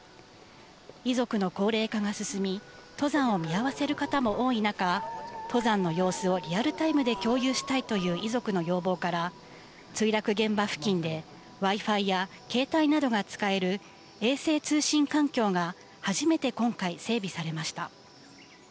遺族の高齢化が進み、登山を見合わせる方も多い中、登山の様子をリアルタイムで共有したいという遺族の要望から、墜落現場付近で、Ｗｉ−Ｆｉや携帯などが使える衛星通信環境が、初めて今回、整備されました。